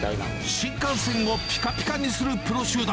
新幹線をピカピカにするプロ集団。